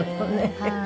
はい。